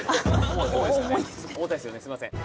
すいません